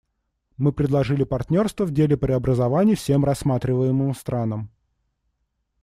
Мы предложили партнерство в деле преобразований всем рассматриваемым странам.